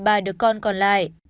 bà đứa con còn lại